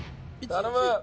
頼む！